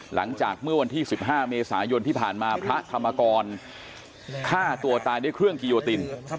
หลังจากเมื่อวันที่๑๕เมษายนที่ผ่านมาพระธรรมกรฆ่าตัวตายด้วยเครื่องกิโยติน